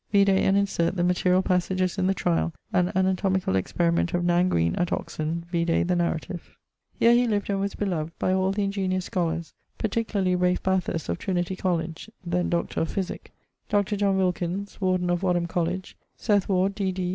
Vide and insert the materiall passages in the tryal, and anatomicall experiment of Nan Green at Oxon: vide the narrative. Here he lived and was beloved by all the ingeniose scholars, particularly Ralph Bathurst of Trin. Coll. (then Dr. of Physique); Dr. John Wilkins (Warden of Wadham Coll.); Seth Ward, D.D.